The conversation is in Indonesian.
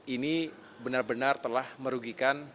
ini benar benar telah merugikan